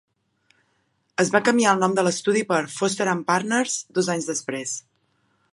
Es va canviar el nom de l'estudi per 'Foster And Partners' dos anys després.